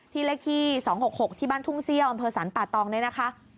ที่เลขที่๒๖๖ที่บ้านทุ่งเซียวอันเภอศรรณป่าตองด้วยนะคะ